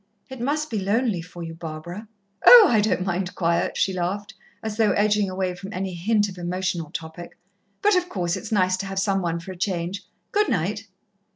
"It must be lonely for you, Barbara." "Oh, I don't mind quiet," she laughed, as though edging away from any hint of emotional topic. "But, of course, it's nice to have some one for a change. Good night."